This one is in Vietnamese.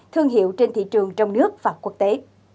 thương hiệu trên thị trường trong nước và quốc tế